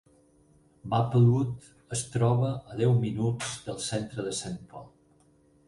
Maplewood es troba a deu minuts del centre de Saint Paul.